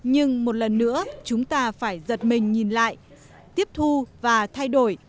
nhưng một lần nữa chúng ta phải giật mình nhìn lại tiếp thu và thay đổi